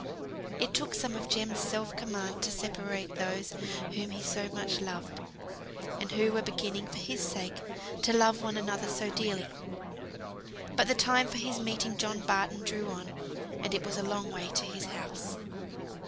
It took some of Jem's self command to separate those whom he so much loved, and who were beginning, for his sake, to love one another so dearly. But the time for his meeting John Barton drew on: and it was a long way to his house.